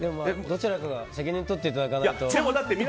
どちらかが責任取っていただかないと。